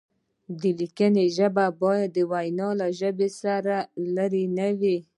د لیکنې ژبه باید د وینا له ژبې لرې نه وي.